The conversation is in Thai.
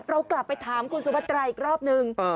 เรากลับไปถามคุณสุพัตราอีกรอบนึง